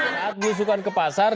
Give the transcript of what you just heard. saat menyusukan ke pasar